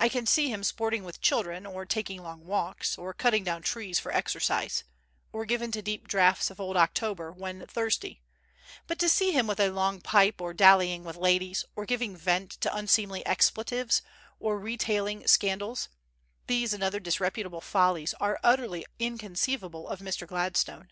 I can see him sporting with children, or taking long walks, or cutting down trees for exercise, or given to deep draughts of old October when thirsty; but to see him with a long pipe, or dallying with ladies, or giving vent to unseemly expletives, or retailing scandals, these and other disreputable follies are utterly inconceivable of Mr. Gladstone.